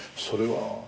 それは。